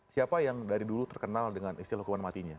siapa yang dari dulu terkenal dengan istilah hukuman matinya